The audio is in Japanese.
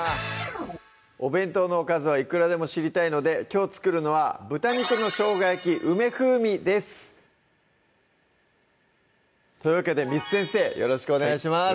お弁当のおかずはいくらでも知りたいのできょう作るのは「豚肉のしょうが焼き梅風味」ですというわけで簾先生よろしくお願いします